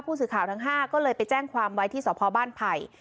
ผู้สื่อข่าวทั้งห้าก็เลยไปแจ้งความไว้ที่สพบไพร